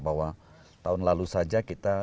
bahwa tahun lalu saja kita